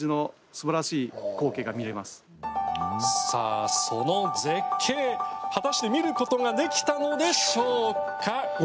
さあ、その絶景、果たして見ることができたのでしょうか？